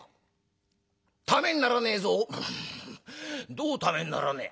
「どうためにならねえ？」。